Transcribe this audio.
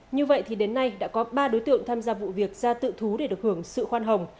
như vậy thì đến nay đã có ba đối tượng tham gia vụ việc ra tự thú để được hưởng sự khoan hồng